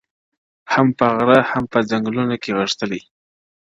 • هم په غره هم په ځنګلونو کي غښتلی -